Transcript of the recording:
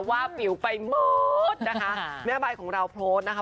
ว่าปิ๋วไปหมดนะคะแม่ใบของเราโพสต์นะคะ